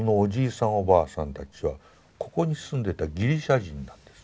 おばあさんたちはここに住んでたギリシャ人なんです。